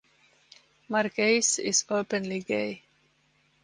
Marquez is openly gay.